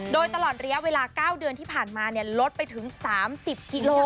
โดยตลอดระยะเวลา๙เดือนที่ผ่านมาลดไปถึง๓๐กิโล